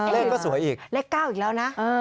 เลขก็สวยอีกเลข๙อีกแล้วนะ